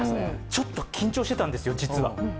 ちょっと緊張してたんですよ、実は。